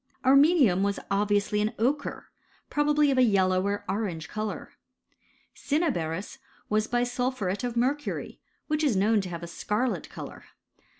ATmenium was obviously an ochre, probably of a 1 yellow or orange colour. I Mimaberis was bisulphuret of mercury, which is I Vrown to have a scarlet colour.